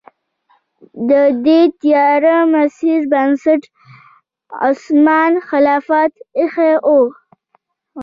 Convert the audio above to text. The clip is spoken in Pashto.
د دې تیاره مسیر بنسټ عثماني خلافت ایښی و.